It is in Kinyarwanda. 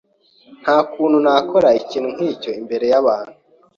Nta kuntu nakora ibintu nkibyo imbere yabantu.